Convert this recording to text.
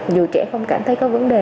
dù trẻ không cảm thấy có vấn đề